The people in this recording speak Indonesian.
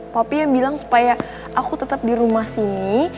tapi yang bilang supaya aku tetap di rumah sini